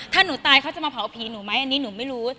ถ้าหนูตายเขาจะมาเผาผีหนูไหมอันนี้หนูไม่รู้